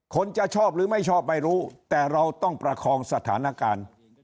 จะชอบหรือไม่ชอบไม่รู้แต่เราต้องประคองสถานการณ์